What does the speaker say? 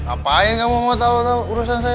apa yang kamu mau tahu urusan saya